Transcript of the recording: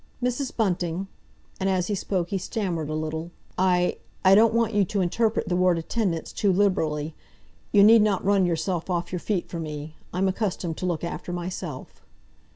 "Mrs. Bunting"—and as he spoke he stammered a little—"I—I don't want you to interpret the word attendance too liberally. You need not run yourself off your feet for me. I'm accustomed to look after myself."